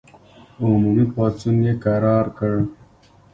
عمومي پاڅون یې کرار کړ.